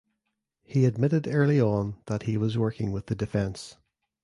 He admitted early on that he was working with the defense.